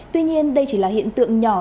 tuy nhiên đây chỉ là hiện tượng nhỏ